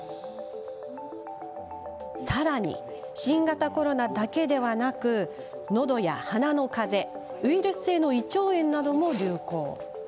さらに、新型コロナだけではなくのどや鼻のかぜウイルス性の胃腸炎なども流行。